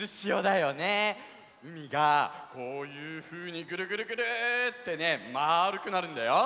うみがこういうふうにぐるぐるぐるってねまあるくなるんだよ。